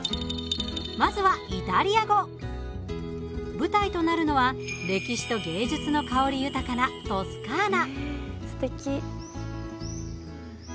舞台となるのは歴史と芸術の香り豊かなトスカーナ。